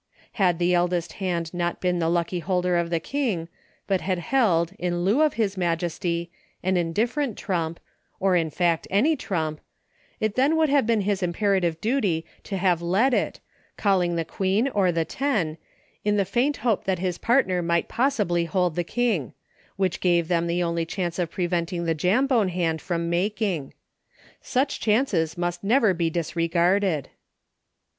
Had the eldest hand not been the lucky holder of the King, but had held, in lieu of his majesty, an indif ferent trump, or, in fact, any trump, it then would have been his imperative duty to have led it, calling the Queen or the ten, in the faint hope that his partner might possibly hold the King — which gave them the only chance of preventing the Jambone hand from making. Such chances must never be dis regarded.